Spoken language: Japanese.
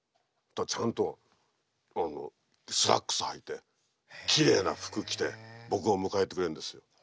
ちゃんとスラックスはいてきれいな服着て僕を迎えてくれるんですよ。